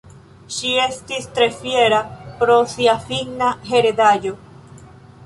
Ŝi estis tre fiera pro sia finna heredaĵo.